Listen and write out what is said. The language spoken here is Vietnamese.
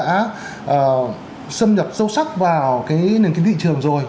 xâm nhập sâu sắc vào cái nền kinh tị trường rồi